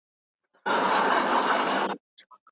آيا ليکوال ځانته ليکل کوي که ټولني ته؟